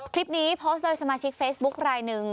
โพสต์โดยสมาชิกเฟซบุ๊คลายหนึ่ง